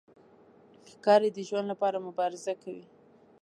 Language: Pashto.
ښکاري د ژوند لپاره مبارزه کوي.